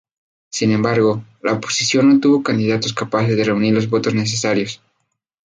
Sin embargo, la oposición no tuvo candidatos capaces de reunir los votos necesarios.